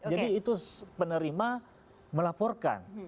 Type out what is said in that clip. jadi itu penerima melaporkan